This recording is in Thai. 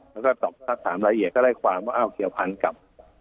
แล้วก็ตอบสักถามรายละเอียดก็ได้ความว่าอ้าวเกี่ยวพันกับ